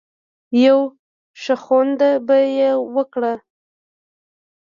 يو شخوند به يې وکړ.